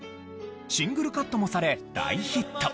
シングルカットもされ大ヒット。